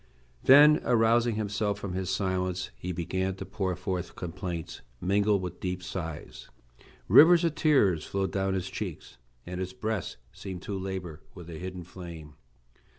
Then arousing himself from his silence he began to pour forth complaints, mingled with deep sighs. Rivers of tears flowed down his cheeks, and his breast seemed to labor with a hidden flame.